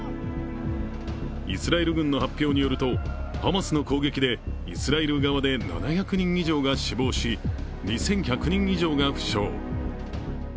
イスラエル軍の発表によるとハマスの攻撃でイスラエル側で７００人以上が死亡し、２１００人以上が負傷。